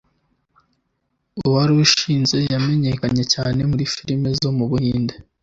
uwarushinze yamenyekanye cyane muri filime zo mu Buhinde